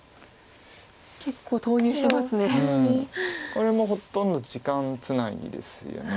これもほとんど時間つなぎですよね。